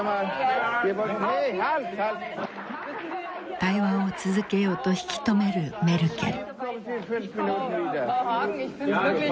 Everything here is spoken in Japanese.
対話を続けようと引き止めるメルケル。